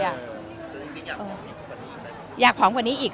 จริงอยากผอมกว่านี้อีก